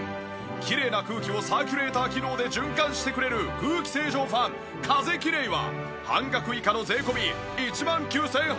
きれいな空気をサーキュレーター機能で循環してくれる空気清浄ファン風きれいは半額以下の税込１万９８００円！